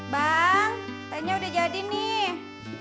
bang kayaknya udah jadi nih